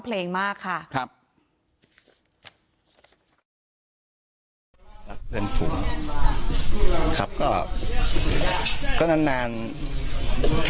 เพลงที่สุดท้ายเสียเต้ยมาเสียชีวิตค่ะ